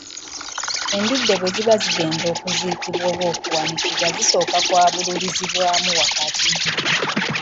Embidde bwe ziba zigenda okuziikibwa oba okuwanikibwa zisooka kwabuluzibwamu wakati.